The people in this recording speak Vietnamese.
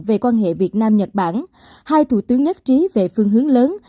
về quan hệ việt nam nhật bản hai thủ tướng nhất trí về phương hướng lớn